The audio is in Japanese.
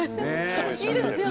いいですよね。